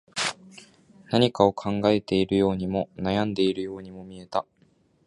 何かを考えているようにも、悩んでいるようにも見えた